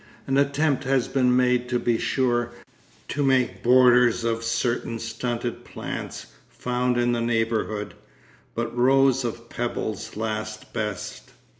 An attempt has been made, to be sure, to make borders of certain stunted plants found in the neighbourhood, but rows of pebbles last best.